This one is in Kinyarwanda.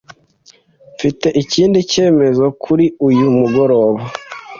Mfite ikindi cyemezo kuri uyu mugoroba.